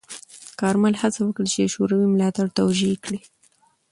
کارمل هڅه وکړه چې د شوروي ملاتړ توجیه کړي.